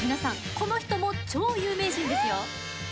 この人も超有名人ですよ。